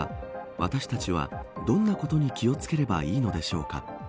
私たちは、どんなことに気を付ければいいのでしょうか。